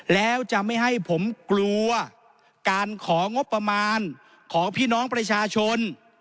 แล้วจะไม่ให้ผมกลัวการของงบประมาณของพี่น้องประชาชน